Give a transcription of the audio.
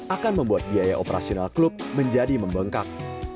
akan membuat biaya operasional klub menjadi membengkak